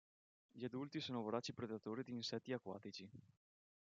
Gli adulti sono voraci predatori di insetti acquatici.